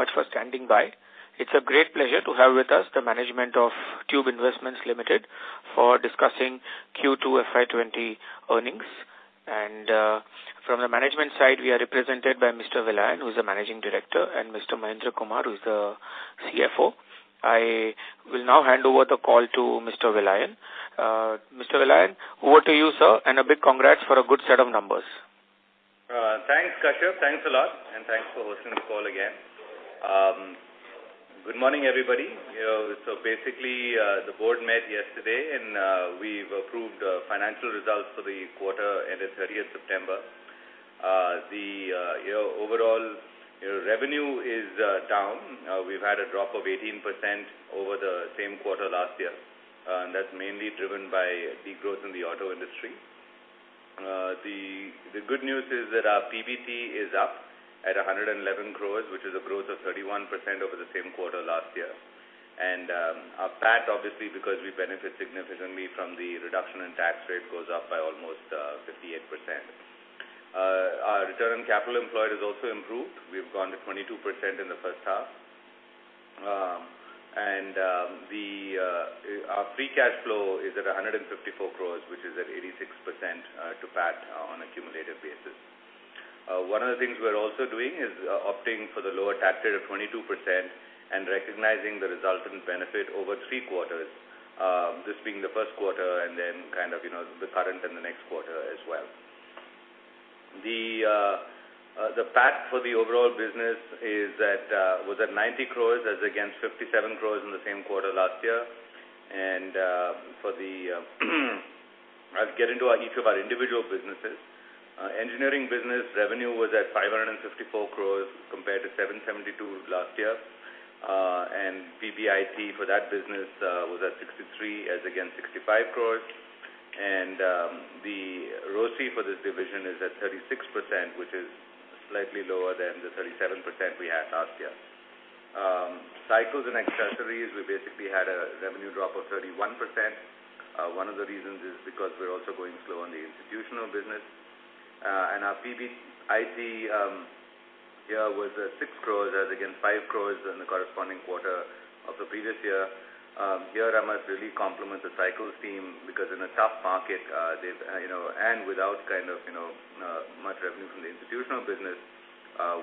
much for standing by. It's a great pleasure to have with us the management of Tube Investments of India Limited for discussing Q2 FY 2020 earnings. From the management side, we are represented by Mr. Vellayan, who's the Managing Director, and Mr. Mahendra Kumar, who's the CFO. I will now hand over the call to Mr. Vellayan. Mr. Vellayan, over to you, sir, and a big congrats for a good set of numbers. Thanks, Kashyap. Thanks a lot, and thanks for hosting the call again. Good morning, everybody. Basically, the board met yesterday, and we've approved the financial results for the quarter ended 30th September. The overall revenue is down. We've had a drop of 18% over the same quarter last year, and that's mainly driven by the growth in the auto industry. The good news is that our PBT is up at 111 crores, which is a growth of 31% over the same quarter last year. Our PAT, obviously because we benefit significantly from the reduction in tax rate, goes up by almost 58%. Our return on capital employed has also improved. We've gone to 22% in the first half. Our free cash flow is at 154 crores, which is at 86% to PAT on an accumulated basis. One of the things we're also doing is opting for the lower tax rate of 22% and recognizing the resultant benefit over three quarters. This being the first quarter and then the current and the next quarter as well. The PAT for the overall business was at 90 crores as against 57 crores in the same quarter last year. I'll get into each of our individual businesses. Engineering business revenue was at 554 crores compared to 772 crores last year. PBIT for that business was at 63 as against 65 crores. The ROCE for this division is at 36%, which is slightly lower than the 37% we had last year. Cycles and accessories, we basically had a revenue drop of 31%. One of the reasons is because we're also going slow on the institutional business. Our PBIT here was at 6 crores as against 5 crores in the corresponding quarter of the previous year. Here I must really compliment the cycles team because in a tough market, and without much revenue from the institutional business,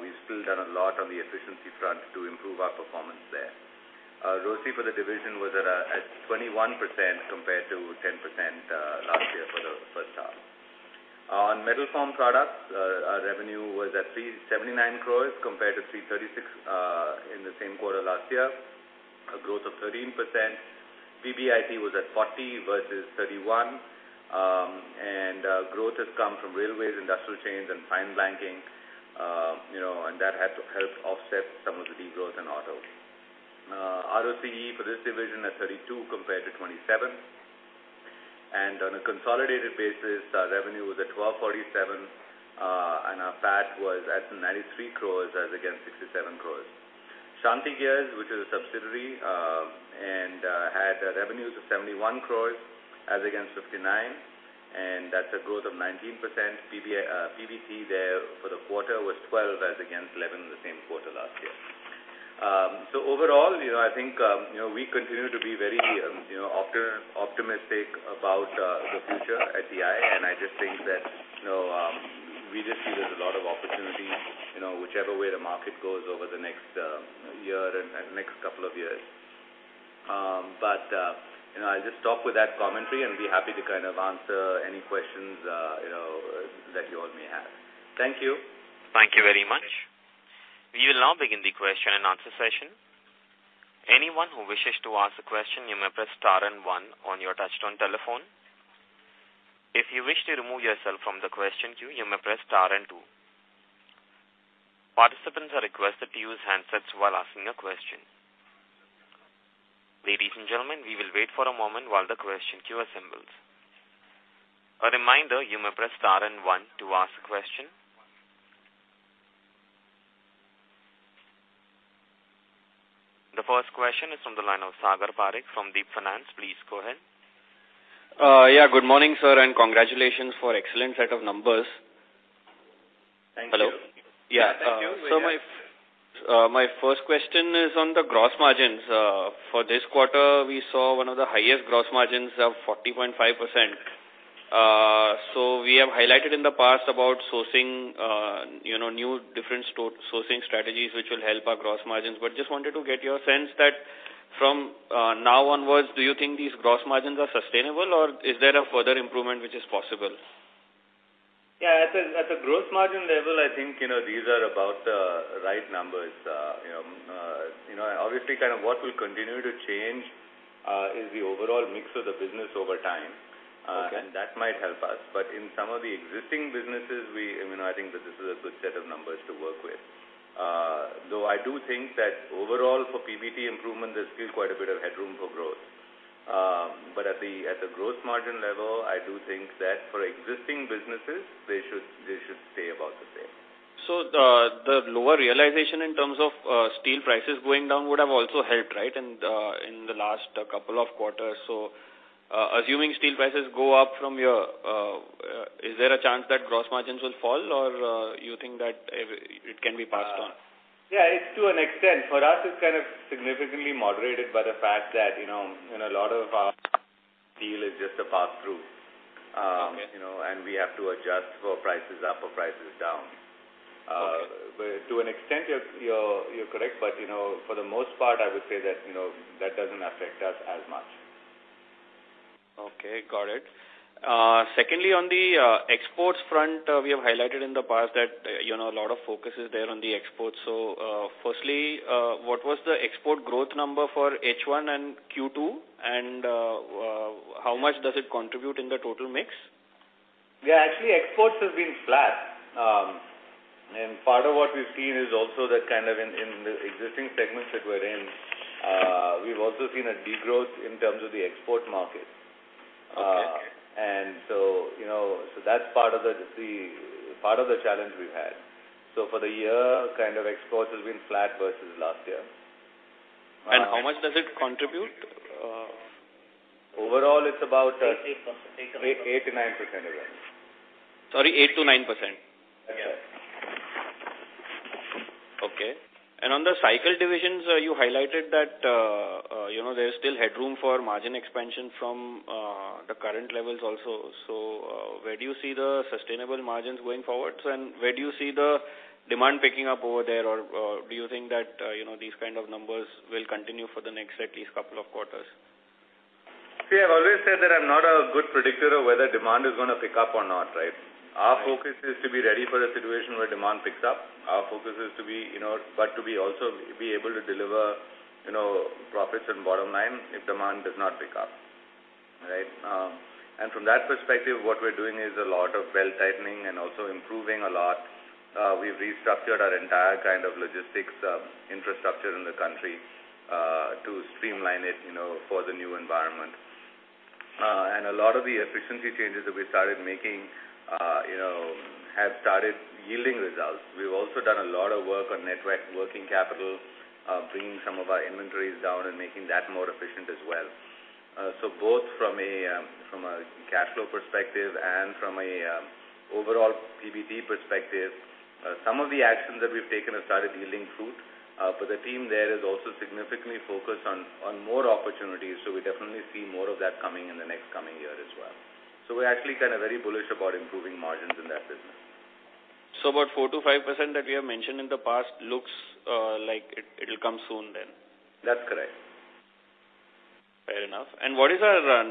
we've still done a lot on the efficiency front to improve our performance there. ROCE for the division was at 21% compared to 10% last year for the first half. On Metalform products, our revenue was at 379 crores compared to 336 in the same quarter last year, a growth of 13%. PBIT was at 40 versus 31. Growth has come from railways, industrial chains, and Fine Blanking, and that has helped offset some of the de-growth in auto. ROCE for this division at 32% compared to 27%. On a consolidated basis, our revenue was at 1,247, and our PAT was at 93 crores as against 67 crores. Shanthi Gears, which is a subsidiary, had revenues of 71 crores as against 59, and that's a growth of 19%. PBT there for the quarter was 12 as against 11 in the same quarter last year. Overall, I think we continue to be very optimistic about the future at TI. I just think that we just see there's a lot of opportunity whichever way the market goes over the next year and next couple of years. I'll just stop with that commentary and be happy to answer any questions that you all may have. Thank you. Thank you very much. We will now begin the question and answer session. Anyone who wishes to ask a question, you may press star and one on your touch-tone telephone. If you wish to remove yourself from the question queue, you may press star and two. Participants are requested to use handsets while asking a question. Ladies and gentlemen, we will wait for a moment while the question queue assembles. A reminder, you may press star and one to ask a question. The first question is from the line of Sagar Parekh from Deep Finance. Please go ahead. Yeah, good morning, sir. Congratulations for excellent set of numbers. Thank you. Hello? Yeah. Thank you. My first question is on the gross margins. For this quarter, we saw one of the highest gross margins of 40.5%. We have highlighted in the past about new different sourcing strategies which will help our gross margins. Just wanted to get your sense that from now onwards, do you think these gross margins are sustainable, or is there a further improvement which is possible? Yeah, at the gross margin level, I think these are about the right numbers. Obviously, what will continue to change is the overall mix of the business over time. Okay. That might help us. In some of the existing businesses, I think that this is a good set of numbers to work with. Though I do think that overall for PBT improvement, there's still quite a bit of headroom for growth. At the gross margin level, I do think that for existing businesses, they should stay about the same. The lower realization in terms of steel prices going down would have also helped, right, in the last couple of quarters? Assuming steel prices go up, is there a chance that gross margins will fall or you think that it can be passed on? Yeah, to an extent. For us, it's kind of significantly moderated by the fact that a lot of our deal is just a pass-through. Okay. We have to adjust for prices up or prices down. Okay. To an extent, you're correct, but for the most part, I would say that doesn't affect us as much. Okay, got it. On the exports front, we have highlighted in the past that a lot of focus is there on the exports. Firstly, what was the export growth number for H1 and Q2, and how much does it contribute in the total mix? Yeah, actually, exports have been flat. Part of what we've seen is also that in the existing segments that we're in, we've also seen a degrowth in terms of the export market. Okay. That's part of the challenge we've had. For the year, exports have been flat versus last year. How much does it contribute? Overall, it's about. 8%-9%. 8 to 9% of that. Sorry, 8%-9%? That's right. Okay. On the cycle divisions, you highlighted that there's still headroom for margin expansion from the current levels also. Where do you see the sustainable margins going forward? Where do you see the demand picking up over there, or do you think that these kind of numbers will continue for the next at least couple of quarters? I've always said that I'm not a good predictor of whether demand is going to pick up or not, right? Right. Our focus is to be ready for the situation where demand picks up. Our focus is to also be able to deliver profits and bottom line if demand does not pick up. Right? From that perspective, what we're doing is a lot of belt-tightening and also improving a lot. We've restructured our entire logistics infrastructure in the country to streamline it for the new environment. A lot of the efficiency changes that we started making have started yielding results. We've also done a lot of work on network working capital, bringing some of our inventories down and making that more efficient as well. Both from a cash flow perspective and from a overall PBT perspective, some of the actions that we've taken have started yielding fruit. The team there is also significantly focused on more opportunities. We definitely see more of that coming in the next coming year as well. We're actually very bullish about improving margins in that business. About 4%-5% that we have mentioned in the past looks like it will come soon then? That's correct. Fair enough. What is our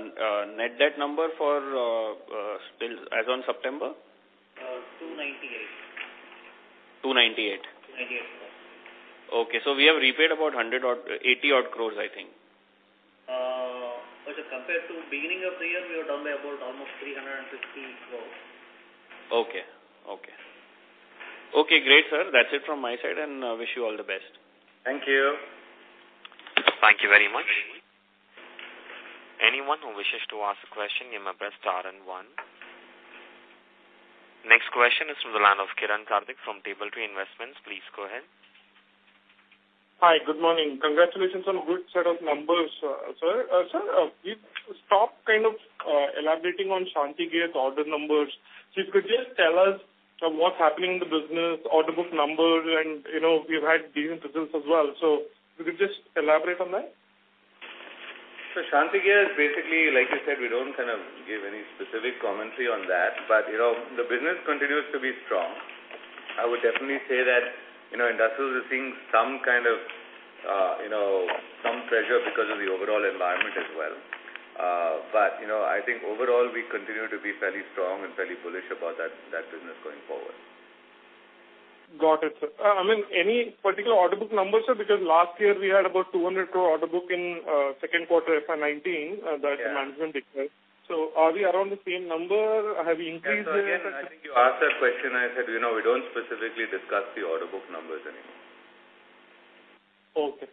net debt number as on September? 298. 298. 298, sir. Okay, we have repaid about 80 odd crores, I think. Compared to beginning of the year, we are down by about almost 350 crores. Okay. Okay, great, sir. That's it from my side, and wish you all the best. Thank you. Thank you very much. Anyone who wishes to ask a question, you may press star and one. Next question is from the line of Kiran Karthik from Table Tree Investments. Please go ahead. Hi. Good morning. Congratulations on good set of numbers, sir. Sir, you've stopped elaborating on Shanthi Gears' order numbers. If you could just tell us what's happening in the business, order book numbers, and you've had deals in business as well. If you could just elaborate on that? Shanthi Gears is basically, like you said, we don't give any specific commentary on that. The business continues to be strong. I would definitely say that industrials are seeing some pressure because of the overall environment as well. I think overall, we continue to be fairly strong and fairly bullish about that business going forward. Got it, sir. Any particular order book numbers, sir? Because last year we had about 200 crore order book in second quarter FY 2019. Yeah that the management declared. Are we around the same number? Have you increased it? Again, I think you asked that question. I said we don't specifically discuss the order book numbers anymore. Okay.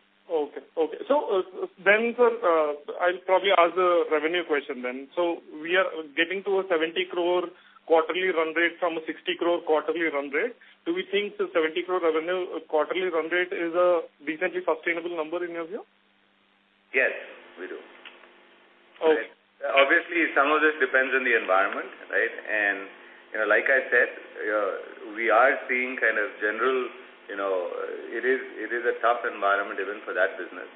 Sir, I'll probably ask a revenue question then. We are getting to an 70 crore quarterly run rate from an 60 crore quarterly run rate. Do we think 70 crore revenue quarterly run rate is a decently sustainable number in your view? Yes, we do. Okay. Obviously, some of this depends on the environment, right? Like I said, it is a tough environment even for that business.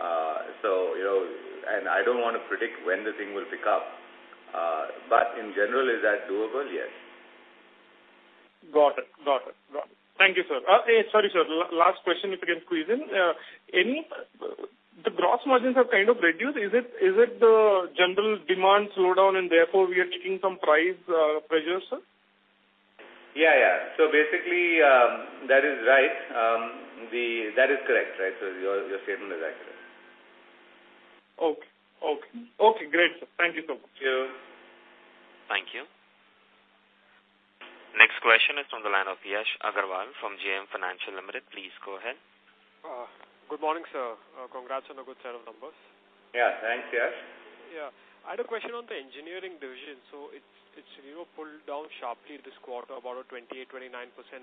I don't want to predict when the thing will pick up. In general, is that doable? Yes. Got it. Thank you, sir. Sorry, sir, last question, if you can squeeze in. The gross margins have kind of reduced. Is it the general demand slowdown and therefore we are taking some price pressures, sir? Yeah. Basically, that is right. That is correct. Your statement is accurate. Okay, great, sir. Thank you so much. Thank you. Thank you. Next question is from the line of Yash Agarwal from GM Financial Limited. Please go ahead. Good morning, sir. Congrats on the good set of numbers. Yeah. Thanks, Yash. Yeah. I had a question on the engineering division. It's pulled down sharply this quarter, about a 28%-29%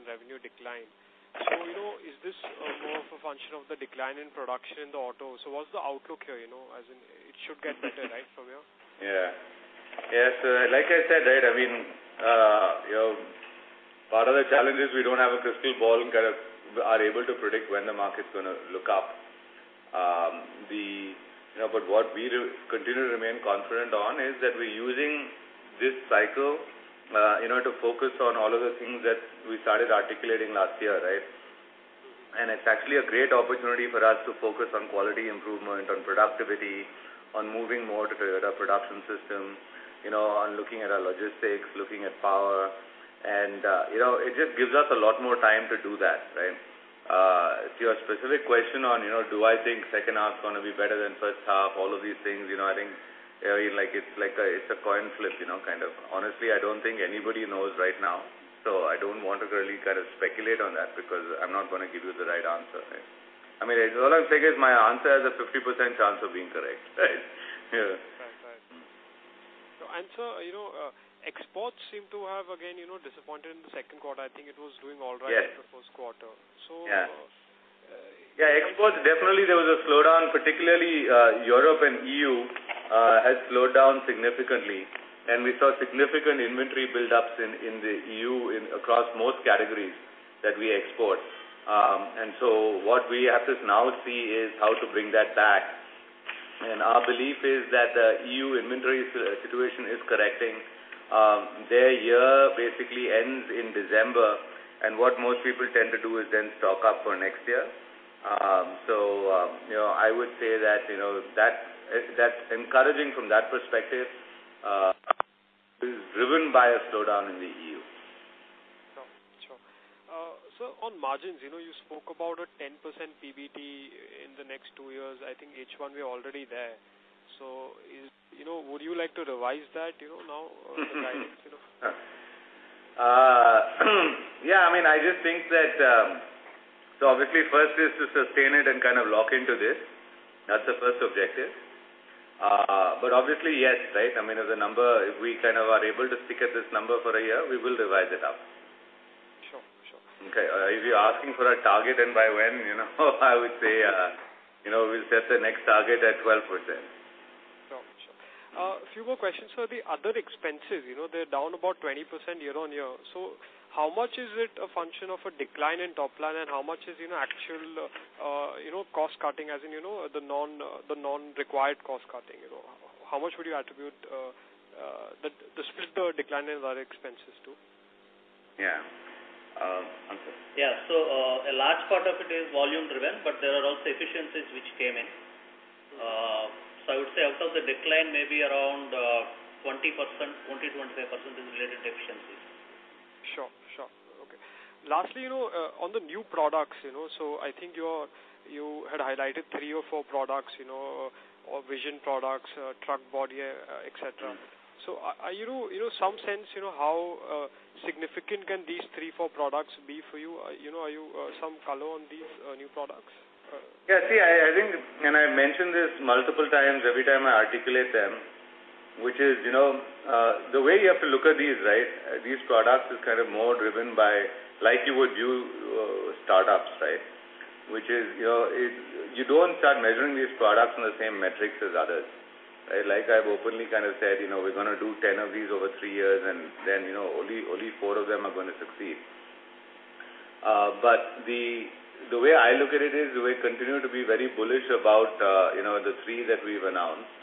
revenue decline. Is this more of a function of the decline in production in the auto? What's the outlook here, as in it should get better, right, from here? Yeah. Yes. Like I said, I mean part of the challenge is we don't have a crystal ball, kind of are able to predict when the market's going to look up. What we continue to remain confident on is that we're using this cycle in order to focus on all of the things that we started articulating last year. It's actually a great opportunity for us to focus on quality improvement, on productivity, on moving more to Toyota Production System, on looking at our logistics, looking at power, and it just gives us a lot more time to do that. To your specific question on, do I think second half's going to be better than first half, all of these things, I think it's a coin flip. Honestly, I don't think anybody knows right now. I don't want to really speculate on that because I'm not going to give you the right answer. All I'll say is my answer has a 50% chance of being correct, right? Right. Sir, exports seem to have again disappointed in the second quarter. I think it was doing all right. Yes in the first quarter. Yeah, exports, definitely there was a slowdown, particularly Europe and EU has slowed down significantly, and we saw significant inventory buildups in the EU across most categories that we export. What we have to now see is how to bring that back. Our belief is that the EU inventory situation is correcting. Their year basically ends in December, and what most people tend to do is then stock up for next year. I would say that's encouraging from that perspective, is driven by a slowdown in the EU. Sure. On margins, you spoke about a 10% PBT in the next two years. I think H1, we're already there. Would you like to revise that now? Yeah, I just think that, obviously first is to sustain it and lock into this. That's the first objective. Obviously, yes. If we are able to stick at this number for a year, we will revise it up. Sure. Okay. If you're asking for a target and by when, I would say, we'll set the next target at 12%. Sure. A few more questions, sir. The other expenses, they're down about 20% year-over-year. How much is it a function of a decline in top line and how much is actual cost cutting, as in, the non-required cost cutting? How much would you attribute the split, the decline in our expenses to? Yeah. Anshul. Yeah. A large part of it is volume-driven, but there are also efficiencies which came in. I would say out of the decline, maybe around 20%-25% is related to efficiencies. Sure. Okay. Lastly, on the new products, I think you had highlighted three or four products, all vision products, truck body, et cetera. Are you some sense how significant can these three, four products be for you? Some color on these new products? Yeah. I mentioned this multiple times every time I articulate them, which is, the way you have to look at these products is more driven by like you would view startups. You don't start measuring these products on the same metrics as others. Like I've openly said, we're going to do 10 of these over three years, then only four of them are going to succeed. The way I look at it is, we continue to be very bullish about the three that we've announced.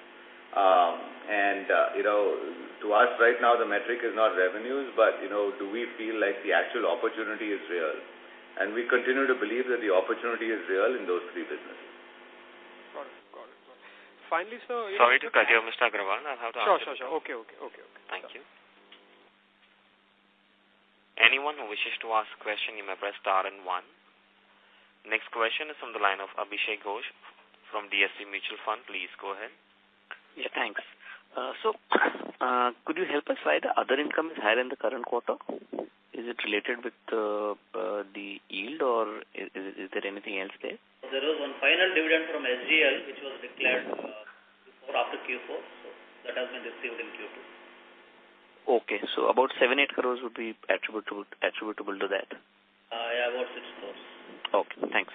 To us right now, the metric is not revenues, but do we feel like the actual opportunity is real? We continue to believe that the opportunity is real in those three businesses. Got it. Finally, sir. Sorry to cut you, Mr. Agrawal. I'll have to ask you to. Sure. Okay. Thank you. Anyone who wishes to ask question, you may press star and one. Next question is from the line of Abhishek Ghosh from DSP Mutual Fund. Please go ahead. Yeah, thanks. Could you help us why the other income is higher in the current quarter? Is it related with the yield or is there anything else there? There was one final dividend from SGL, which was declared before or after Q4, so that has been received in Q2. Okay. About 7-8 crores would be attributable to that? Yeah, about 6 crores. Okay, thanks.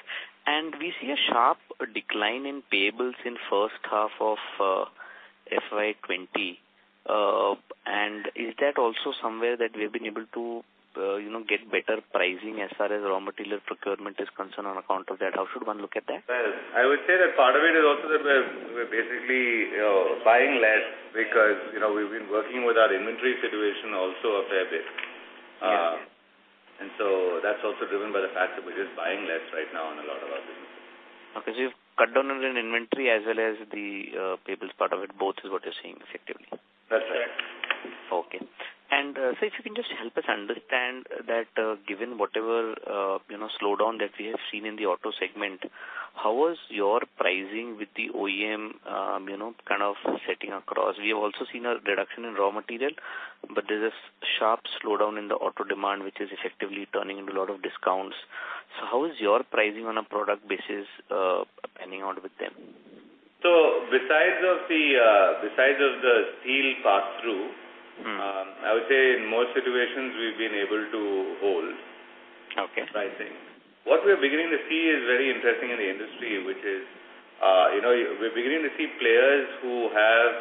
We see a sharp decline in payables in first half of FY 2020. Is that also somewhere that we've been able to get better pricing as far as raw material procurement is concerned on account of that? How should one look at that? Well, I would say that part of it is also that we're basically buying less because we've been working with our inventory situation also a fair bit. Yes. That's also driven by the fact that we're just buying less right now on a lot of our businesses. Okay. You've cut down on inventory as well as the payables part of it, both is what you're saying, effectively? That's right. Sir, if you can just help us understand that, given whatever slowdown that we have seen in the auto segment, how was your pricing with the OEM kind of setting across? We have also seen a reduction in raw material, but there's a sharp slowdown in the auto demand, which is effectively turning into a lot of discounts. How is your pricing on a product basis panning out with them? besides of the steel pass-through. I would say in most situations, we've been able to hold. Okay. I think what we're beginning to see is very interesting in the industry, which is we're beginning to see players who have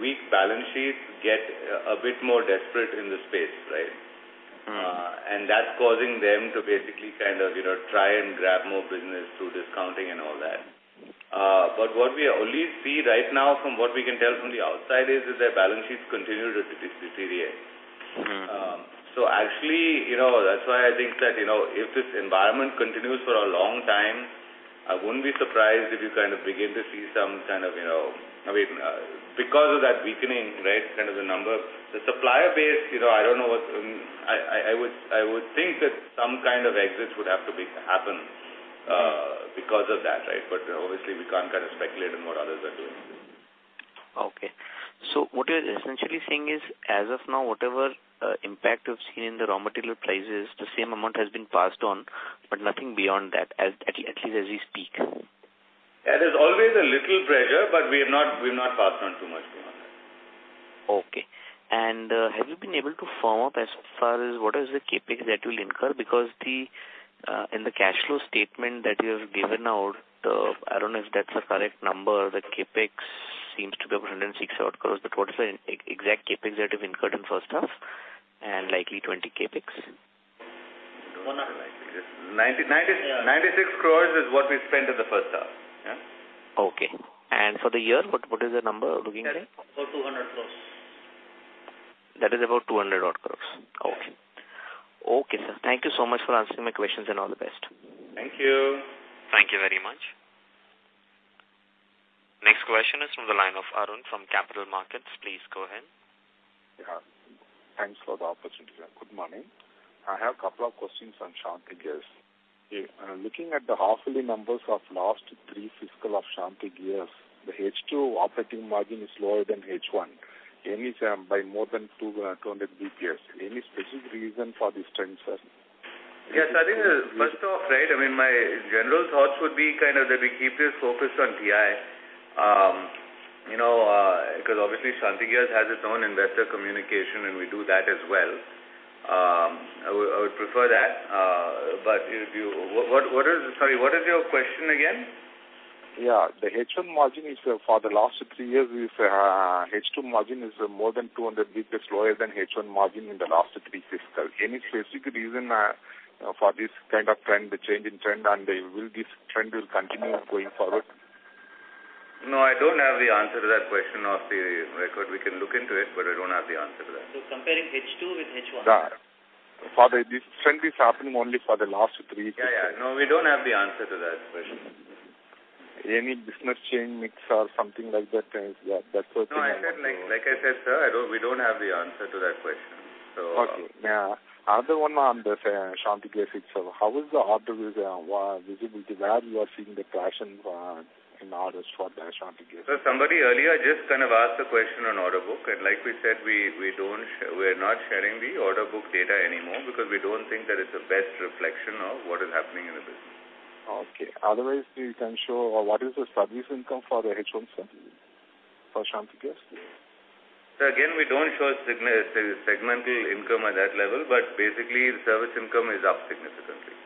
weak balance sheets get a bit more desperate in the space. Right? That's causing them to basically try and grab more business through discounting and all that. What we only see right now, from what we can tell from the outside, is their balance sheets continue to deteriorate. Actually, that's why I think that if this environment continues for a long time, I wouldn't be surprised if you kind of begin to see some kind of, because of that weakening, right, kind of the number, the supplier base, I don't know. I would think that some kind of exits would have to happen because of that, right? Obviously, we can't speculate on what others are doing. Okay. What you're essentially saying is, as of now, whatever impact you've seen in the raw material prices, the same amount has been passed on, but nothing beyond that, at least as we speak. There is always a little pressure, but we've not passed on too much beyond that. Okay. Have you been able to firm up as far as what is the CapEx that you'll incur? Because in the cash flow statement that you have given out, I don't know if that's the correct number, the CapEx seems to be about 106 odd crores. What is the exact CapEx that you've incurred in the first half? Likely 20 CapEx. 196. 96 crores is what we spent in the first half. Yeah. Okay. For the year, what is the number looking like? About 200 crores. That is about 200 odd crores. Okay. Okay, sir. Thank you so much for answering my questions and all the best. Thank you. Thank you very much. Next question is from the line of Arun from Capital Markets. Please go ahead. Yeah. Thanks for the opportunity. Good morning. I have a couple of questions on Shanthi Gears. Looking at the half-yearly numbers of last three fiscal of Shanthi Gears, the H2 operating margin is lower than H1. By more than 200 basis points. Any specific reason for this trend, sir? Yes, I think first off, my general thoughts would be that we keep this focused on TI. Obviously, Shanthi Gears has its own investor communication, and we do that as well. I would prefer that. Sorry, what is your question again? Yeah. The H1 margin for the last three years is, H2 margin is more than 200 basis points lower than H1 margin in the last three fiscal. Any specific reason for this kind of trend, the change in trend? Will this trend continue going forward? No, I don't have the answer to that question off the record. We can look into it, but I don't have the answer to that. Comparing H2 with H1. Yeah. This trend is happening only for the last three fiscal years. Yeah. No, we don't have the answer to that question. Any business change mix or something like that? No. Like I said, sir, we don't have the answer to that question. Okay. Another one on the Shanthi Gears itself. How is the order visibility? Where you are seeing the traction in orders for the Shanthi Gears? Somebody earlier just asked a question on order book, and like we said, we're not sharing the order book data anymore because we don't think that it's the best reflection of what is happening in the business. Okay. Otherwise, you can show what is the service income for the H1 for Shanthi Gears? Again, we don't show segmental income at that level. Basically, the service income is up significantly.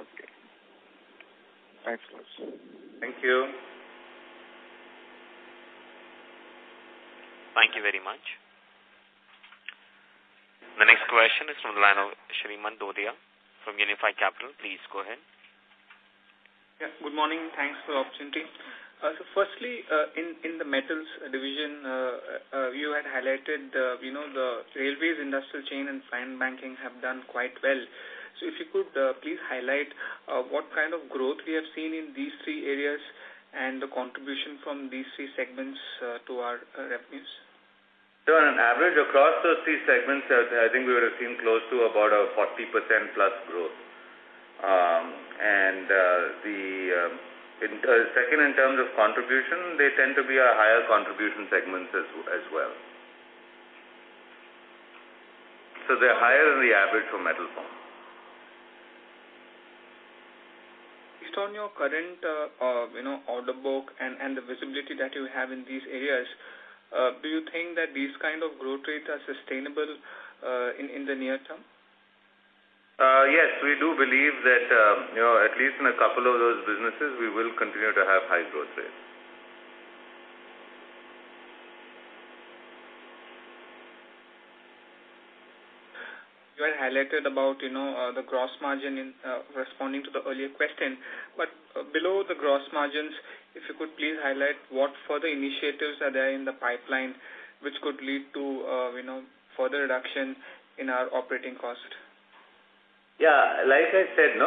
Okay. Thanks a lot, sir. Thank you. Thank you very much. The next question is from the line of Srimant Dodia from Unifi Capital. Please go ahead. Good morning. Thanks for the opportunity. Firstly, in the metals division, you had highlighted the railways industrial chain and Fine Blanking have done quite well. If you could please highlight what kind of growth we have seen in these three areas and the contribution from these three segments to our revenues. On an average across those three segments, I think we would have seen close to about a 40% plus growth. Second, in terms of contribution, they tend to be our higher contribution segments as well. They're higher than the average for Metal Form. Based on your current order book and the visibility that you have in these areas, do you think that these kind of growth rates are sustainable in the near term? Yes, we do believe that at least in a couple of those businesses, we will continue to have high growth rates. You had highlighted about the gross margin in responding to the earlier question. Below the gross margins, if you could please highlight what further initiatives are there in the pipeline which could lead to further reduction in our operating cost? Like I said,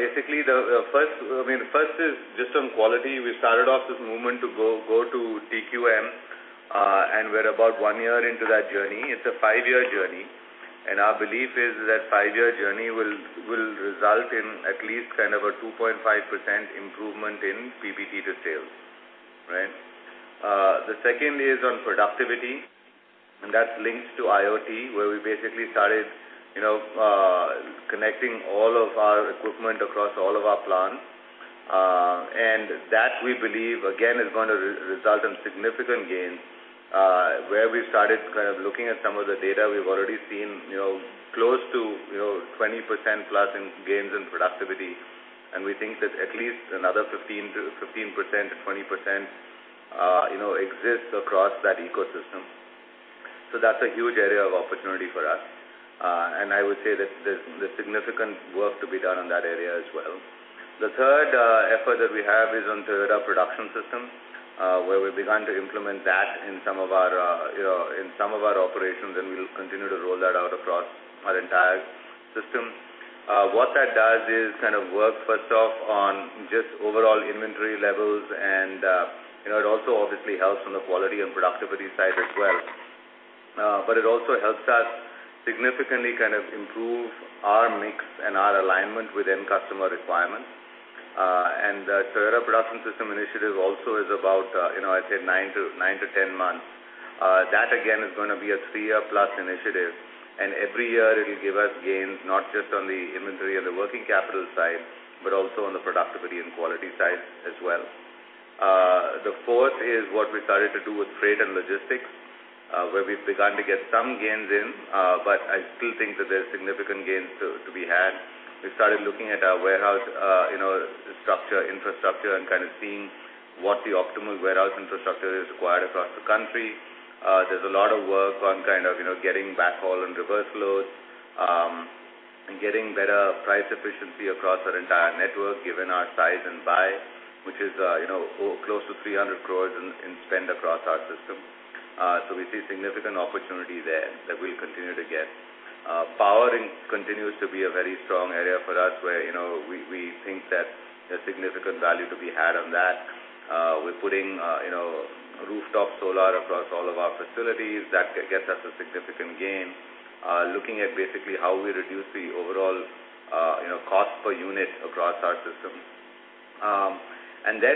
basically first is just on quality. We started off this movement to go to TQM, and we're about one year into that journey. It's a five-year journey, and our belief is that five-year journey will result in at least kind of a 2.5% improvement in PBT to sales. Right? The second is on productivity, and that links to IoT, where we basically connecting all of our equipment across all of our plants. That, we believe, again, is going to result in significant gains. Where we started looking at some of the data, we've already seen close to 20%+ in gains in productivity. We think that at least another 15%-20% exists across that ecosystem. That's a huge area of opportunity for us. I would say that there's significant work to be done on that area as well. The third effort that we have is on Toyota Production System, where we've begun to implement that in some of our operations, and we will continue to roll that out across our entire system. What that does is work first off on just overall inventory levels, and it also obviously helps on the quality and productivity side as well. It also helps us significantly improve our mix and our alignment with end customer requirements. The Toyota Production System initiative also is about, I'd say, nine to 10 months. That again, is going to be a three-year-plus initiative, and every year it'll give us gains not just on the inventory and the working capital side, but also on the productivity and quality side as well. The fourth is what we started to do with freight and logistics, where we've begun to get some gains in, but I still think that there's significant gains to be had. We started looking at our warehouse infrastructure and seeing what the optimal warehouse infrastructure is required across the country. There's a lot of work on getting backhaul and reverse loads, and getting better price efficiency across our entire network, given our size and buy, which is close to 300 crore in spend across our system. We see significant opportunity there that we'll continue to get. Powering continues to be a very strong area for us, where we think that there's significant value to be had on that. We're putting rooftop solar across all of our facilities. That gets us a significant gain. Looking at basically how we reduce the overall cost per unit across our system.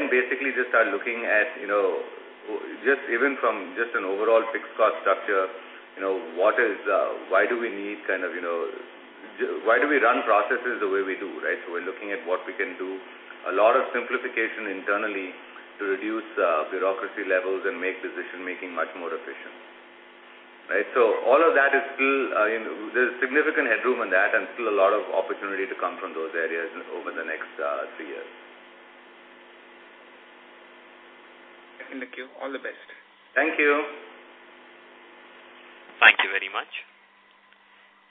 Basically just start looking at, even from just an overall fixed cost structure, why do we run processes the way we do? We're looking at what we can do. A lot of simplification internally to reduce bureaucracy levels and make decision-making much more efficient. There's significant headroom in that and still a lot of opportunity to come from those areas over the next three years. Back in the queue. All the best. Thank you. Thank you very much.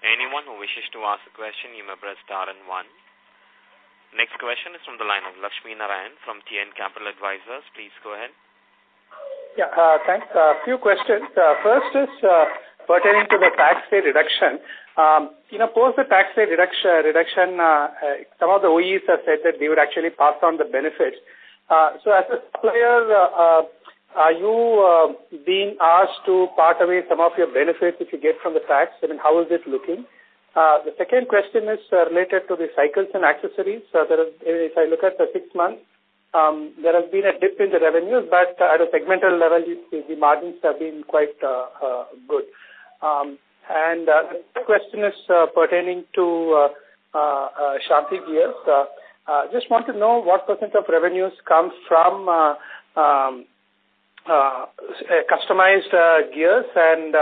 Anyone who wishes to ask a question, you may press star and one. Next question is from the line of Lakshmi Narayan from TN Capital Advisors. Please go ahead. Yeah. Thanks. A few questions. First is pertaining to the tax rate reduction. In course the tax rate reduction, some of the OEMs have said that they would actually pass on the benefits. As a supplier, are you being asked to part away some of your benefits which you get from the tax? I mean, how is it looking? The second question is related to the cycles and accessories. If I look at the 6 months, there has been a dip in the revenues. At a segmental level, the margins have been quite good. The third question is pertaining to Shanthi Gears. Just want to know what % of revenues comes from customized gears, and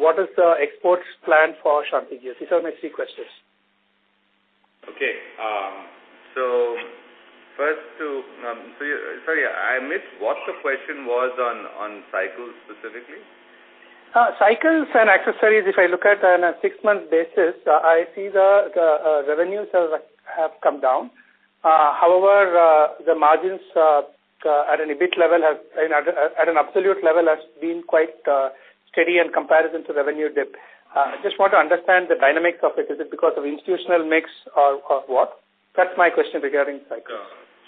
what is the exports plan for Shanthi Gears? These are my three questions. Okay. Sorry, I missed what the question was on cycles specifically. Cycles and accessories, if I look at on a six-month basis, I see the revenues have come down. The margins at an absolute level has been quite steady in comparison to revenue dip. I just want to understand the dynamics of it. Is it because of institutional mix or what? That's my question regarding cycles.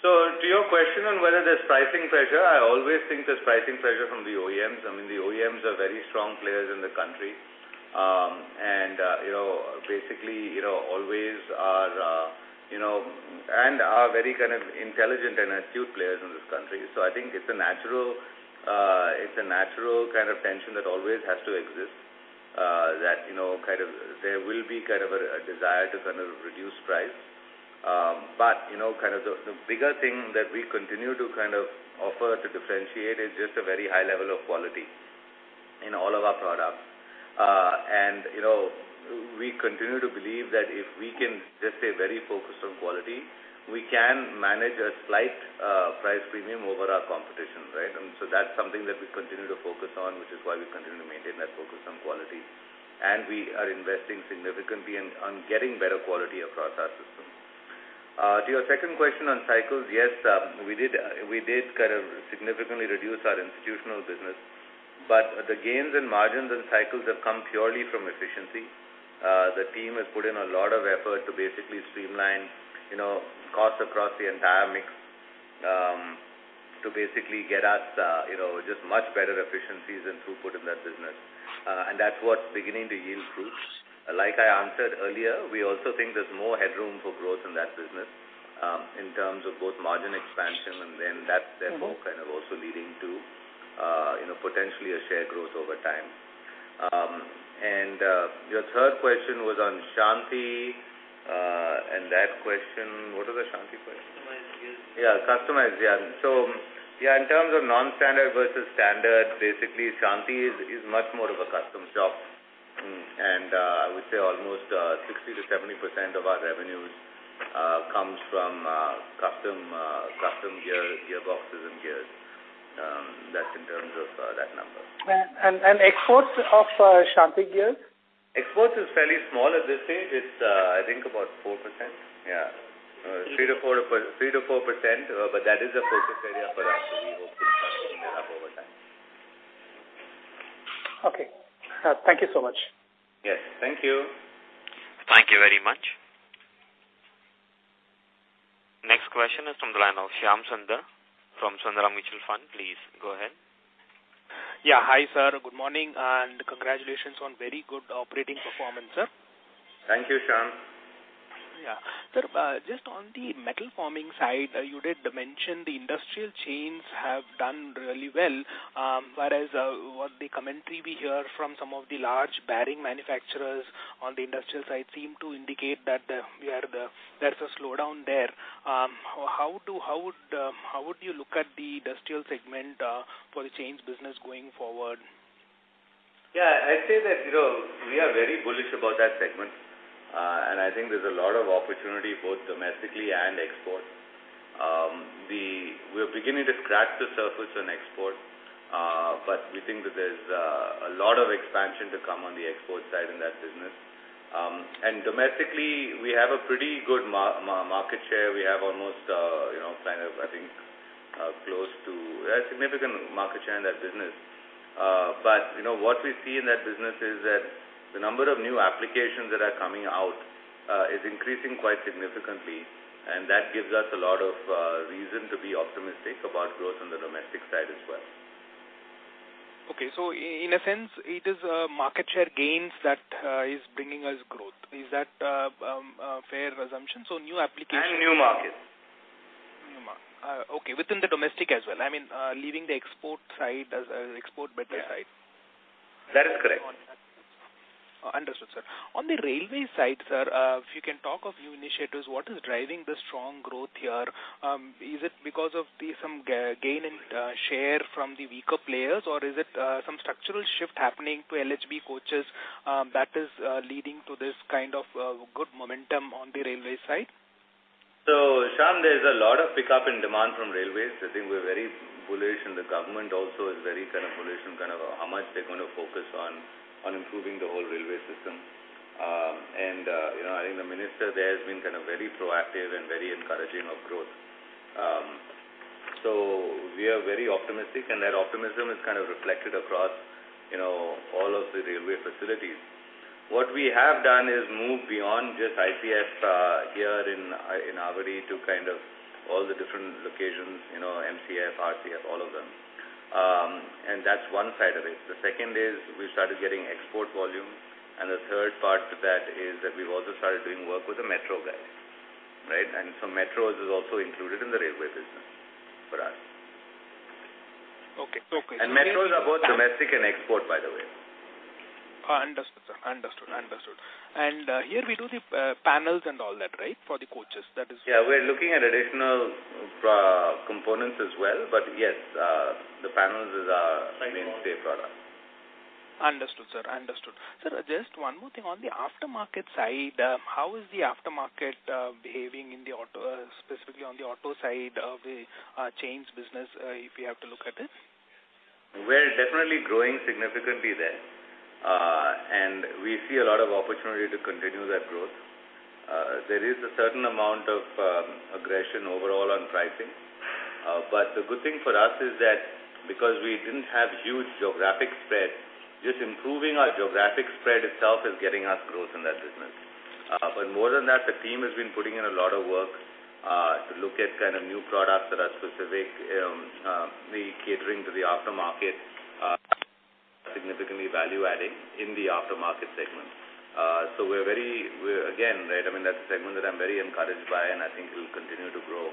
To your question on whether there's pricing pressure, I always think there's pricing pressure from the OEMs. I mean, the OEMs are very strong players in the country. Basically always are, and are very kind of intelligent and astute players in this country. I think it's a natural kind of tension that always has to exist, that there will be a desire to reduce price. The bigger thing that we continue to offer to differentiate is just a very high level of quality in all of our products. We continue to believe that if we can just stay very focused on quality, we can manage a slight price premium over our competition. Right? That's something that we continue to focus on, which is why we continue to maintain that focus on quality. We are investing significantly on getting better quality across our system. To your second question on cycles, yes, we did significantly reduce our institutional business. The gains in margins and cycles have come purely from efficiency. The team has put in a lot of effort to basically streamline costs across the entire mix, to basically get us just much better efficiencies and throughput in that business. That's what's beginning to yield fruits. Like I answered earlier, we also think there's more headroom for growth in that business, in terms of both margin expansion and then that therefore kind of also leading to potentially a share growth over time. Your third question was on Shanthi, and what was the Shanthi question? Customized gears. Yeah, customized. In terms of non-standard versus standard, basically Shanthi is much more of a custom job. I would say almost 60%-70% of our revenues comes from custom gearboxes and gears. That's in terms of that number. exports of Shanthi Gears? Exports is fairly small at this stage. It's, I think, about 4%. Yeah. 3%-4%, but that is a focus area for us, so we hope to start picking it up over time. Okay. Thank you so much. Yes. Thank you. Thank you very much. Next question is from the line of Shyam Sundar from Sundaram Mutual Fund. Please go ahead. Yeah. Hi, sir. Good morning, and congratulations on very good operating performance, sir. Thank you, Shyam. Yeah. Sir, just on the metal forming side, you did mention the industrial chains have done really well. Whereas, the commentary we hear from some of the large bearing manufacturers on the industrial side seem to indicate that there's a slowdown there. How would you look at the industrial segment for the chains business going forward? Yeah, I'd say that we are very bullish about that segment. I think there's a lot of opportunity, both domestically and export. We're beginning to scratch the surface on export, but we think that there's a lot of expansion to come on the export side in that business. Domestically, we have a pretty good market share. We have almost, I think, a significant market share in that business. What we see in that business is that the number of new applications that are coming out is increasing quite significantly, and that gives us a lot of reason to be optimistic about growth on the domestic side as well. Okay. In a sense, it is market share gains that is bringing us growth. Is that a fair assumption? New applications. New markets. New markets. Okay, within the domestic as well, leaving the export side as export-based side. That is correct. Understood, sir. On the railway side, sir, if you can talk of new initiatives, what is driving the strong growth here? Is it because of some gain in share from the weaker players, or is it some structural shift happening to LHB coaches that is leading to this kind of good momentum on the railway side? Shyam, there's a lot of pickup in demand from railways. I think we're very bullish, and the government also is very bullish on how much they're going to focus on improving the whole railway system. I think the minister there has been very proactive and very encouraging of growth. We are very optimistic, and that optimism is reflected across all of the railway facilities. What we have done is move beyond just ICF here in Avadi to all the different locations, MCF, RCF, all of them. That's one side of it. The second is we started getting export volume, and the third part to that is that we've also started doing work with the metro guys. Right? Metros is also included in the railway business for us. Okay. Metros are both domestic and export, by the way. Understood, sir. Here we do the panels and all that, right? For the coaches. Yeah, we're looking at additional components as well. Yes, the panels is our mainstay product. Understood, sir. Just one more thing. On the aftermarket side, how is the aftermarket behaving specifically on the auto side of the chains business, if you have to look at it? We're definitely growing significantly there. We see a lot of opportunity to continue that growth. There is a certain amount of aggression overall on pricing. The good thing for us is that because we didn't have huge geographic spread, just improving our geographic spread itself is getting us growth in that business. More than that, the team has been putting in a lot of work to look at new products that are specifically catering to the aftermarket, significantly value-adding in the aftermarket segment. Again, that's a segment that I'm very encouraged by, and I think it'll continue to grow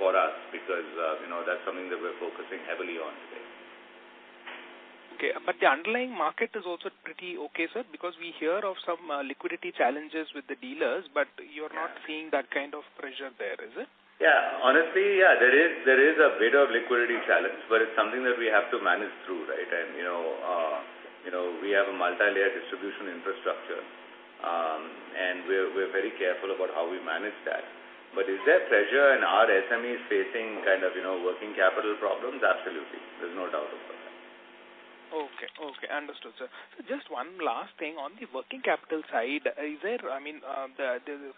for us because that's something that we're focusing heavily on today. Okay. The underlying market is also pretty okay, sir, because we hear of some liquidity challenges with the dealers, but you're not seeing that kind of pressure there, is it? Yeah. Honestly, there is a bit of liquidity challenge, it's something that we have to manage through, right? We have a multi-layer distribution infrastructure, and we're very careful about how we manage that. Is there pressure in our SMEs facing working capital problems? Absolutely. There's no doubt about that. Okay. Understood, sir. Just one last thing. On the working capital side, the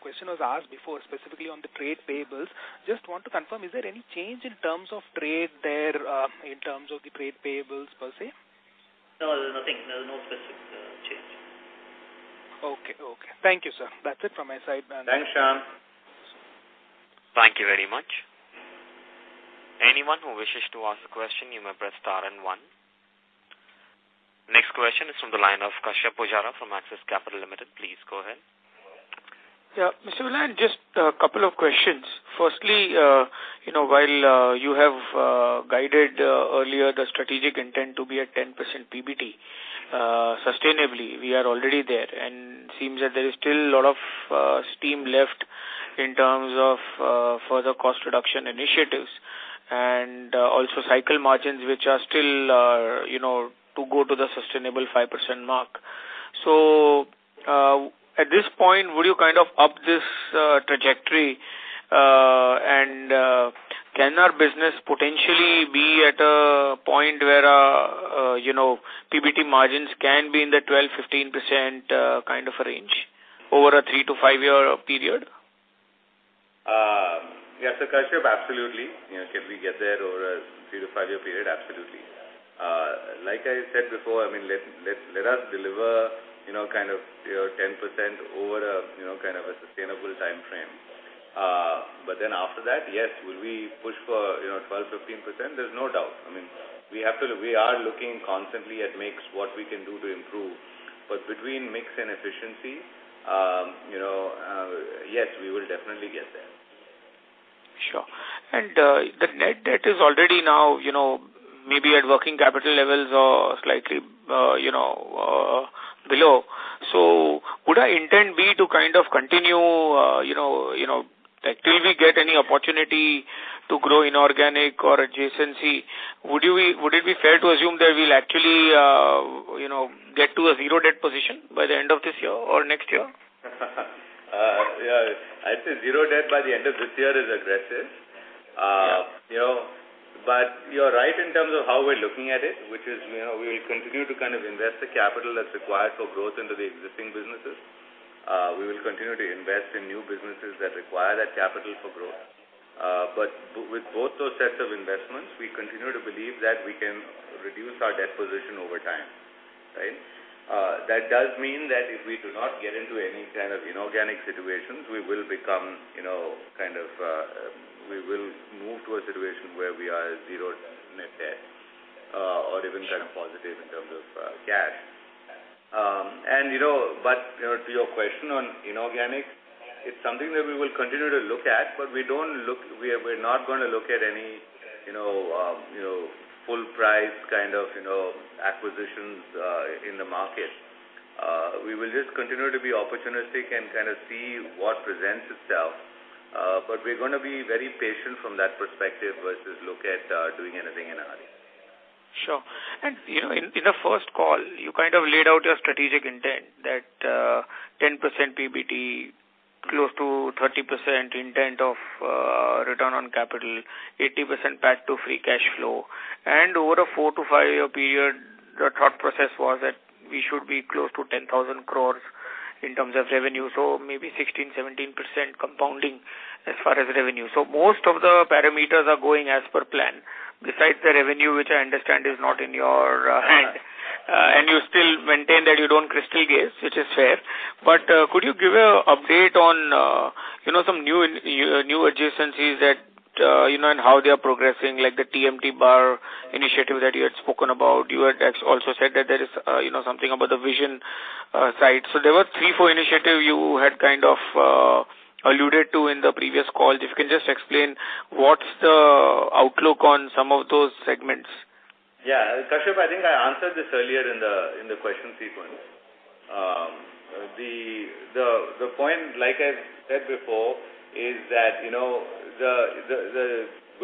question was asked before, specifically on the trade payables. Just want to confirm, is there any change in terms of trade there, in terms of the trade payables per se? No, there's nothing. There's no specific change. Okay. Thank you, sir. That's it from my side. Thanks, Shyam. Thank you very much. Anyone who wishes to ask a question, you may press star and one. From the line of Kashyap Pujara from Axis Capital Limited, please go ahead. Yeah. Mr. Vellayan, just a couple of questions. Firstly, while you have guided earlier the strategic intent to be at 10% PBT, sustainably, we are already there, and seems that there is still a lot of steam left in terms of further cost reduction initiatives and also cycle margins, which are still to go to the sustainable 5% mark. At this point, will you up this trajectory, and can our business potentially be at a point where PBT margins can be in the 12%, 15% kind of a range over a 3-5-year period? Kashyap, absolutely. Can we get there over a three to five-year period? Absolutely. Like I said before, let us deliver 10% over a sustainable timeframe. After that, yes, will we push for 12, 15%? There's no doubt. We are looking constantly at mix, what we can do to improve. Between mix and efficiency, yes, we will definitely get there. Sure. The net debt is already now maybe at working capital levels or slightly below. Would our intent be to kind of continue till we get any opportunity to grow inorganic or adjacency? Would it be fair to assume that we'll actually get to a zero debt position by the end of this year or next year? Yeah, I'd say zero debt by the end of this year is aggressive. Yeah. You're right in terms of how we're looking at it, which is we'll continue to invest the capital that's required for growth into the existing businesses. We will continue to invest in new businesses that require that capital for growth. With both those sets of investments, we continue to believe that we can reduce our debt position over time. Right? That does mean that if we do not get into any kind of inorganic situations, we will move to a situation where we are zero net debt or even kind of positive in terms of cash. To your question on inorganic, it's something that we will continue to look at, but we're not going to look at any full price kind of acquisitions in the market. We will just continue to be opportunistic and kind of see what presents itself. We're going to be very patient from that perspective versus look at doing anything in a hurry. Sure. In the first call, you laid out your strategic intent that 10% PBT, close to 30% intent of return on capital, 80% path to free cash flow, and over a four to five-year period, the thought process was that we should be close to 10,000 crores in terms of revenue. Maybe 16%-17% compounding as far as revenue. Most of the parameters are going as per plan, besides the revenue, which I understand is not in your hands. Right. You still maintain that you don't crystal gaze, which is fair. Could you give an update on some new adjacencies and how they are progressing, like the TMT bar initiative that you had spoken about. You had also said that there is something about the vision side. There were three, four initiatives you had kind of alluded to in the previous call. If you can just explain what's the outlook on some of those segments. Yeah. Kashyap, I think I answered this earlier in the question sequence. The point, like I said before, is that the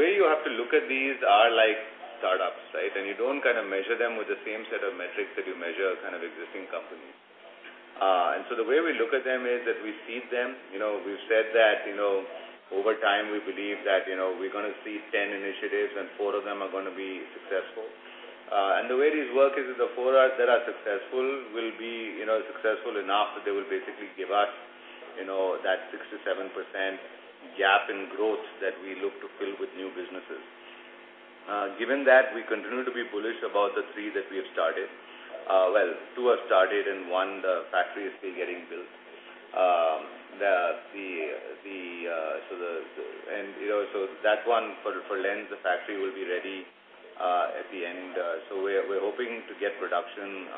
way you have to look at these are like startups, right? You don't measure them with the same set of metrics that you measure existing companies. The way we look at them is that we seed them. We've said that over time, we believe that we're going to see 10 initiatives and four of them are going to be successful. The way these work is that the four that are successful will be successful enough that they will basically give us that 6%-7% gap in growth that we look to fill with new businesses. Given that, we continue to be bullish about the three that we have started. Well, two are started and one, the factory is still getting built. That one, for lens, the factory will be ready at the end, we're hoping to get production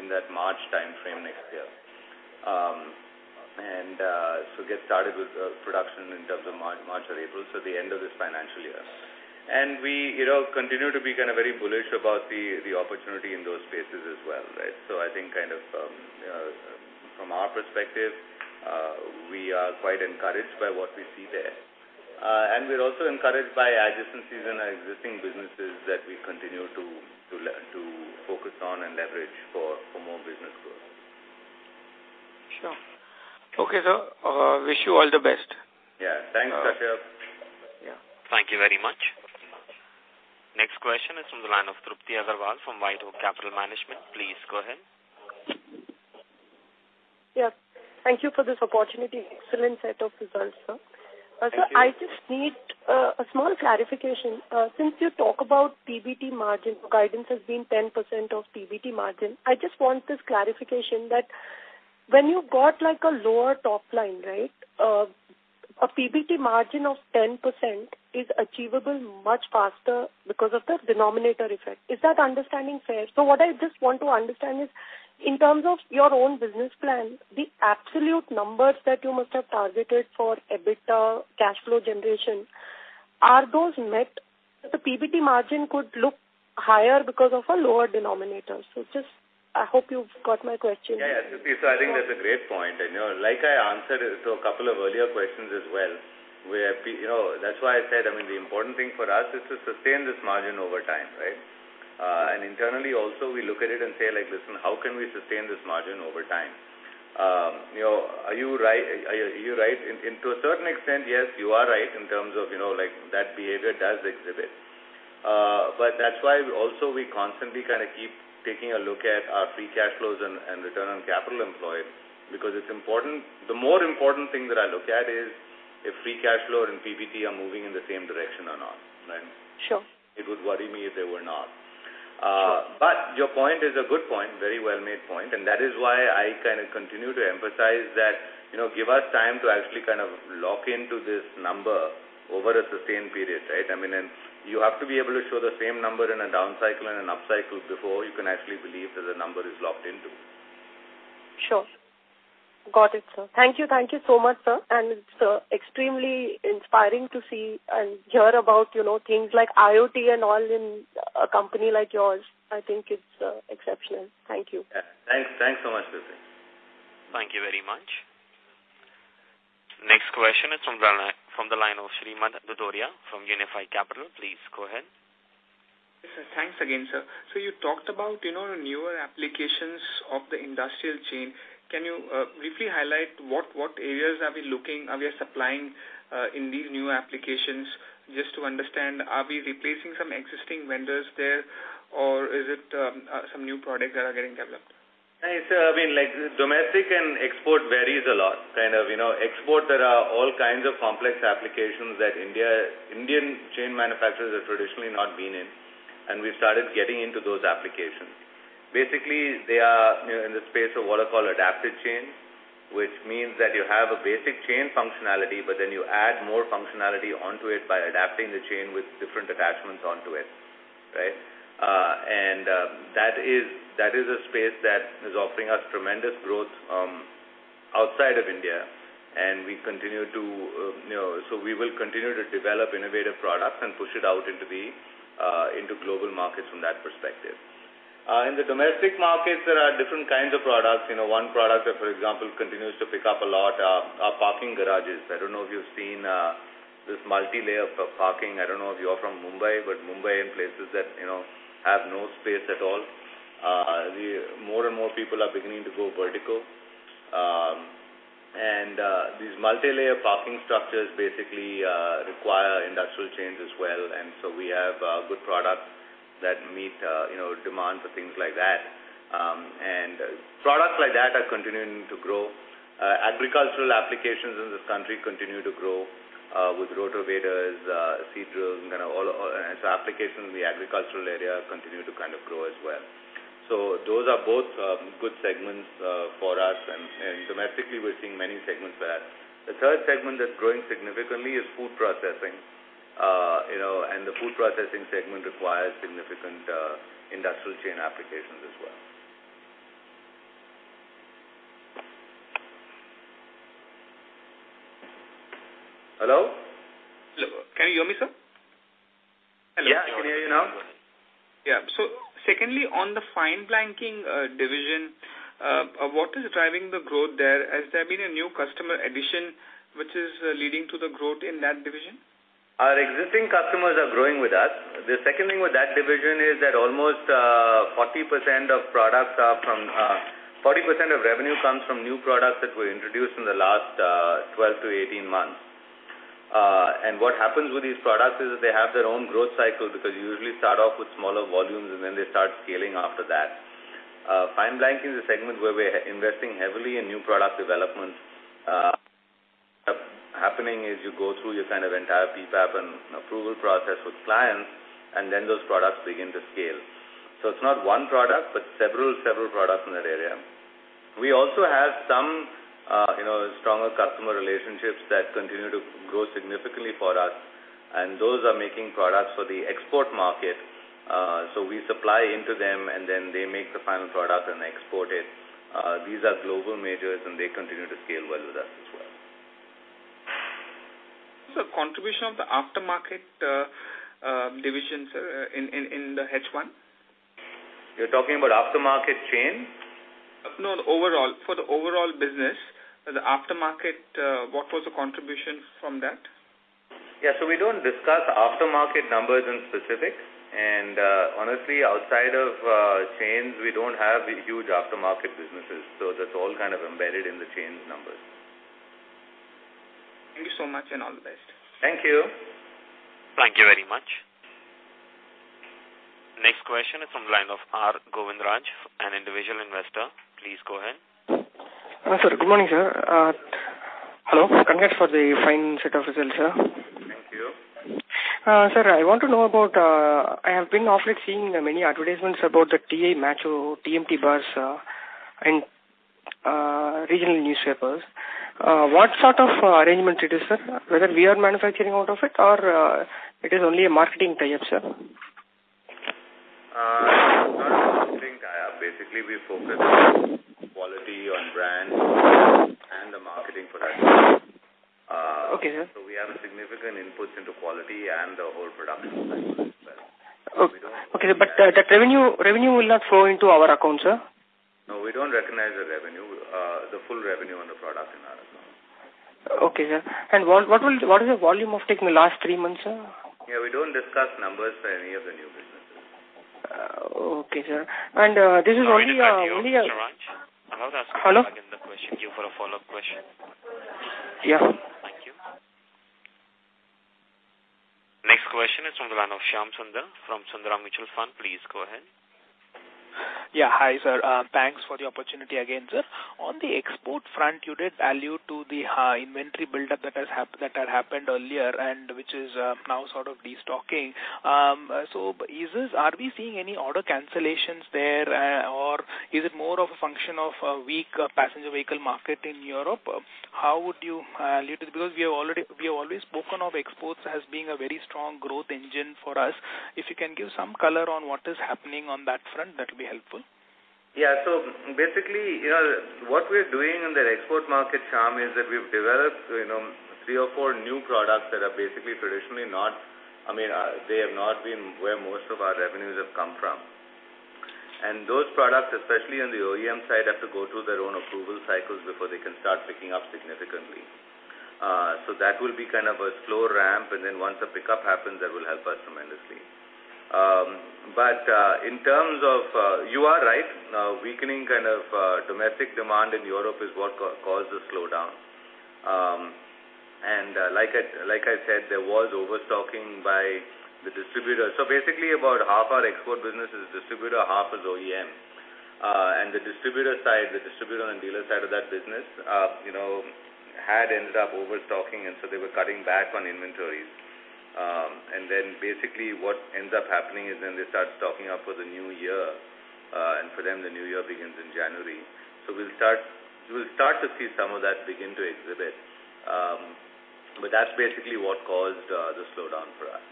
in that March timeframe next year. Get started with production in terms of March or April, so the end of this financial year. We continue to be very bullish about the opportunity in those spaces as well. Right? I think from our perspective, we are quite encouraged by what we see there. We're also encouraged by adjacencies in our existing businesses that we continue to focus on and leverage for more business growth. Sure. Okay, sir. Wish you all the best. Yeah. Thanks, Kashyap. Yeah. Thank you very much. Next question is from the line of Trupti Agrawal from White Oak Capital Management. Please go ahead. Yeah. Thank you for this opportunity. Excellent set of results, sir. Thank you. Sir, I just need a small clarification. Since you talk about PBT margin, guidance has been 10% of PBT margin. I just want this clarification that, when you got a lower top line, a PBT margin of 10% is achievable much faster because of the denominator effect. Is that understanding fair? What I just want to understand is, in terms of your own business plan, the absolute numbers that you must have targeted for EBITDA cash flow generation, are those met? The PBT margin could look higher because of a lower denominator. Just, I hope you've got my question. Yeah. I think that's a great point. Like I answered to a couple of earlier questions as well, that's why I said, the important thing for us is to sustain this margin over time. Internally also, we look at it and say, "Listen, how can we sustain this margin over time?" You are right. To a certain extent, yes, you are right in terms of that behavior does exhibit. That's why also we constantly keep taking a look at our free cash flows and return on capital employed, because it's important. The more important thing that I look at is if free cash flow and PBT are moving in the same direction or not. Sure. It would worry me if they were not. Your point is a good point, very well-made point, and that is why I continue to emphasize that give us time to actually lock into this number over a sustained period. You have to be able to show the same number in a down cycle and an up cycle before you can actually believe that the number is locked into. Sure. Got it, sir. Thank you so much, sir. It's extremely inspiring to see and hear about things like IoT and all in a company like yours. I think it's exceptional. Thank you. Yeah. Thanks so much, Trupti. Thank you very much. Next question is from the line of Srimant Dodia from Unifi Capital. Please go ahead. Yes, sir. Thanks again, sir. You talked about newer applications of the industrial chain. Can you briefly highlight what areas are we supplying in these new applications? Just to understand, are we replacing some existing vendors there or is it some new products that are getting developed? Domestic and export varies a lot. Export, there are all kinds of complex applications that Indian chain manufacturers have traditionally not been in, and we've started getting into those applications. Basically, they are in the space of what are called adapted chains, which means that you have a basic chain functionality, but then you add more functionality onto it by adapting the chain with different attachments onto it. That is a space that is offering us tremendous growth outside of India, so we will continue to develop innovative products and push it out into global markets from that perspective. In the domestic markets, there are different kinds of products. One product, for example, continues to pick up a lot are parking garages. I don't know if you've seen this multi-layer parking. I don't know if you are from Mumbai, but Mumbai and places that have no space at all, more and more people are beginning to go vertical. These multi-layer parking structures basically require industrial chains as well, and so we have good products that meet demand for things like that. Products like that are continuing to grow. Agricultural applications in this country continue to grow, with rotovators, seed drills. Applications in the agricultural area continue to grow as well. Those are both good segments for us, and domestically, we're seeing many segments there. The third segment that's growing significantly is food processing, and the food processing segment requires significant industrial chain applications as well. Hello? Hello. Can you hear me, sir? Yeah, I can hear you now. Secondly, on the Fine Blanking division, what is driving the growth there? Has there been a new customer addition which is leading to the growth in that division? Our existing customers are growing with us. The second thing with that division is that almost 40% of revenue comes from new products that were introduced in the last 12 to 18 months. What happens with these products is that they have their own growth cycle, because you usually start off with smaller volumes, and then they start scaling after that. Fine Blanking is a segment where we're investing heavily in new product development. Happening is you go through your entire PPAP and approval process with clients, and then those products begin to scale. It's not one product, but several products in that area. We also have some stronger customer relationships that continue to grow significantly for us, and those are making products for the export market. We supply into them, and then they make the final product and export it. These are global majors, and they continue to scale well with us as well. Contribution of the aftermarket division, sir, in the H1? You're talking about aftermarket chain? No, for the overall business. The aftermarket, what was the contribution from that? Yeah, we don't discuss aftermarket numbers in specific. Honestly, outside of chains, we don't have huge aftermarket businesses. That's all embedded in the chain numbers. Thank you so much, and all the best. Thank you. Thank you very much. Next question is from line of Govindraj Ethiraj, an individual investor. Please go ahead. Sir, good morning, sir. Hello. Congrats for the fine set of results, sir. Sir, I want to know about, I have been often seeing many advertisements about the TI Macho TMT bars in regional newspapers. What sort of arrangements it is, sir? Whether we are manufacturing out of it or it is only a marketing tie-up, sir? Not a marketing tie-up. Basically, we focus on quality, on brand, and the marketing for that. Okay, sir. We have significant inputs into quality and the whole production aspect as well. Okay. That revenue will not flow into our account, sir? No, we don't recognize the full revenue on the product in our account. Okay, sir. What is the volume of take in the last three months, sir? Yeah, we don't discuss numbers for any of the new businesses. Okay, sir. This is Raj. I want to ask you- Hello for a follow-up question. Yeah. Thank you. Next question is from the line of Shyam Sundar from Sundaram Mutual Fund. Please go ahead. Hi. Thanks for the opportunity again, sir. On the export front, you did allude to the high inventory buildup that had happened earlier and which is now sort of destocking. Are we seeing any order cancellations there, or is it more of a function of a weak passenger vehicle market in Europe? How would you allude to it? We have always spoken of exports as being a very strong growth engine for us. If you can give some color on what is happening on that front, that'll be helpful. Yeah. Basically, what we are doing in that export market, Shyam, is that we've developed three or four new products that are basically traditionally not They have not been where most of our revenues have come from. Those products, especially on the OEM side, have to go through their own approval cycles before they can start picking up significantly. That will be kind of a slow ramp, and then once a pickup happens, that will help us tremendously. You are right. Weakening domestic demand in Europe is what caused the slowdown. Like I said, there was overstocking by the distributors. Basically, about half our export business is distributor, half is OEM. The distributor and dealer side of that business had ended up overstocking, and so they were cutting back on inventories. Basically what ends up happening is then they start stocking up for the new year. For them, the new year begins in January. We'll start to see some of that begin to exhibit. That's basically what caused the slowdown for us.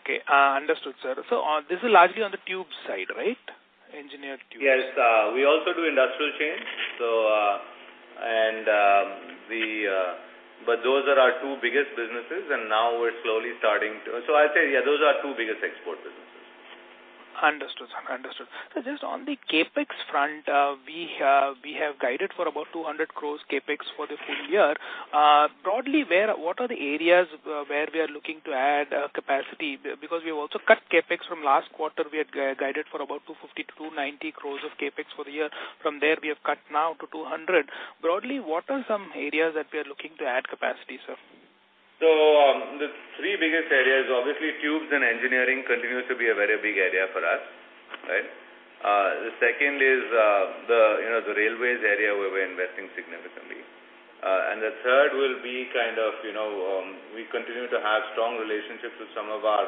Okay. Understood, sir. This is largely on the tube side, right? Engineered tubes. Yes. We also do industrial chains. Those are our two biggest businesses. I'd say, yeah, those are our two biggest export businesses. Understood, sir. On the CapEx front, we have guided for about 200 crores CapEx for the full year. Broadly, what are the areas where we are looking to add capacity? We've also cut CapEx from last quarter, we had guided for about 250 crores-290 crores of CapEx for the year. From there, we have cut now to 200 crores. Broadly, what are some areas that we are looking to add capacity, sir? The three biggest areas, obviously tubes and engineering continues to be a very big area for us. The second is the railways area where we're investing significantly. The third will be we continue to have strong relationships with some of our,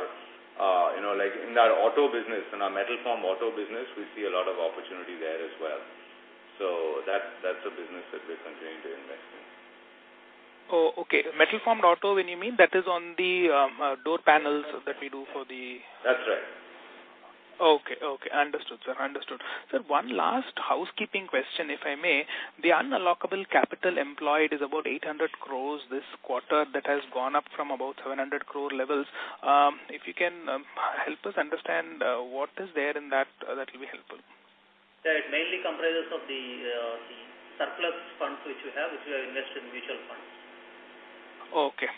like in our auto business, in our Metal Form auto business, we see a lot of opportunity there as well. That's a business that we're continuing to invest in. Oh, okay. Metal formed auto, when you mean, that is on the door panels that we do for the- That's right. Okay. Understood, sir. Sir, one last housekeeping question, if I may. The unallocable capital employed is about 800 crore this quarter. That has gone up from about 700 crore levels. If you can help us understand what is there in that will be helpful. Sir, it mainly comprises of the surplus funds which we have, which we have invested in mutual funds. Okay.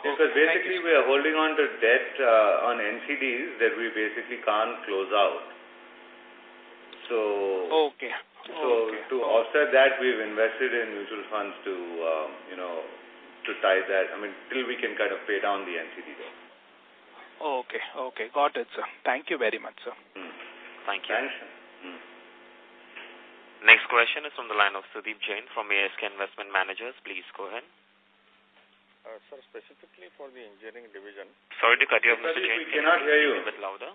Basically, we are holding on to debt on NCDs that we basically can't close out. Okay. To offset that, we've invested in mutual funds to tie that. We can kind of pay down the NCD though. Okay. Got it, sir. Thank you very much, sir. Thank you. Thanks. Next question is from the line of Sudeep Jain from ASK Investment Managers. Please go ahead. Sir, specifically for the engineering division. Sorry to cut you off, Mr. Jain. We cannot hear you. Can you speak a bit louder?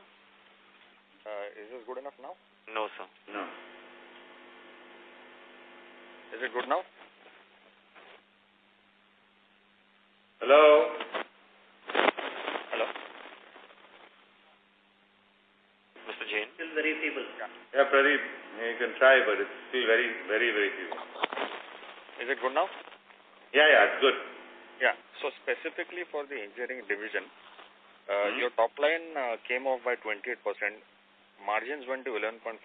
Is this good enough now? No, sir. No. Is it good now? Hello. Hello. Mr. Jain? Still very feeble. Yeah, Sudeep, you can try, but it's still very, very feeble. Is it good now? Yeah. It's good. Yeah. Specifically for the engineering division. Your top line came up by 28%, margins went to 11.4%.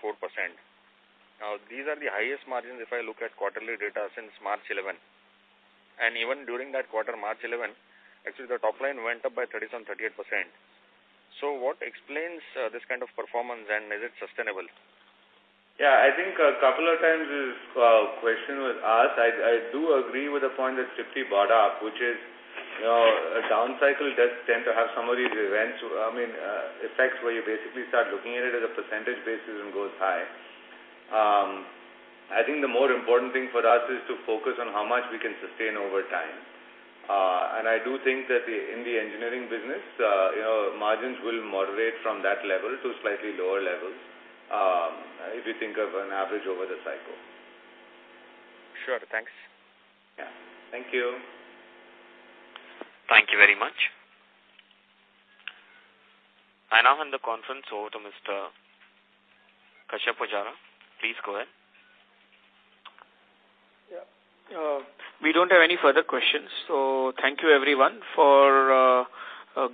These are the highest margins if I look at quarterly data since March 2011. Even during that quarter, March 2011, actually the top line went up by 37.38%. What explains this kind of performance, and is it sustainable? Yeah. I think a couple of times this question was asked. I do agree with the point that Trupti brought up, which is a down cycle does tend to have some of these effects where you basically start looking at it as a percentage basis and goes high. I do think that in the engineering business, margins will moderate from that level to slightly lower levels, if you think of an average over the cycle. Sure. Thanks. Yeah. Thank you. Thank you very much. I now hand the conference over to Mr. Kashyap Pujara. Please go ahead. We don't have any further questions, so thank you everyone for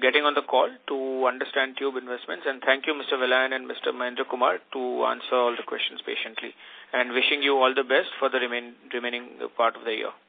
getting on the call to understand Tube Investments, and thank you, Mr. Vellayan and Mr. Mahendra Kumar, to answer all the questions patiently. Wishing you all the best for the remaining part of the year.